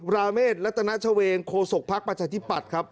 ลาเมฆลัตนะชะเวงโคสกพรรคปราศนีปัตรครับ